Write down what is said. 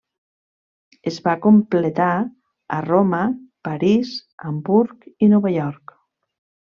Els va completar a Roma, París, Hamburg i Nova York.